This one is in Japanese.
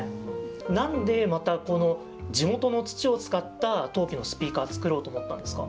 なんでまたこの地元の土を使った陶器のスピーカーを作ろうと思ったんですか？